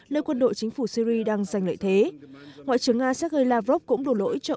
nơi quân đội chính phủ syri đang giành lợi thế ngoại trưởng nga sergei lavrov cũng đổ lỗi cho